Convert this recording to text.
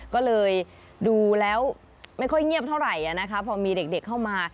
ก็เลยดูแล้วไม่ค่อยเงียบเท่าไหร่นะคะพอมีเด็กเข้ามา